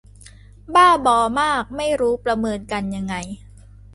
บ้าบอมาก ไม่รู้ประเมินกันยังไง